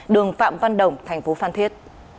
đường phạm văn đồng thành phố phan thiết